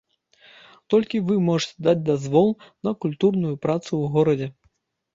Толькі вы можаце даць дазвол на культурную працу ў горадзе.